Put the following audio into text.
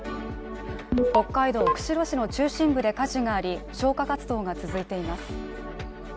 北海道釧路市の中心部で火事があり消火活動が続いています。